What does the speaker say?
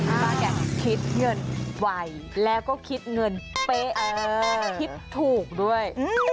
ป้าแกคิดเงินไวแล้วก็คิดเงินเป๊ะคิดถูกด้วย